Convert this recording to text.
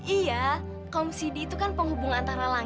iya kaum sidi itu kan penghubung antara langit dan bumi